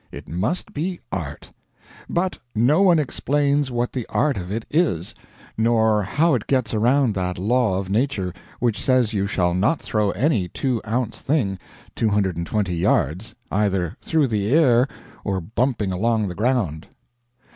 It must be art. But no one explains what the art of it is; nor how it gets around that law of nature which says you shall not throw any two ounce thing 220 yards, either through the air or bumping along the ground.